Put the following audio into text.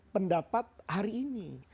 pendapat hari ini